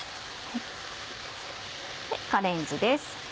カレンズです。